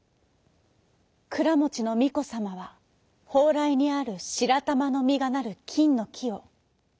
くらもちのみこさまはほうらいにあるしらたまのみがなるきんのきを。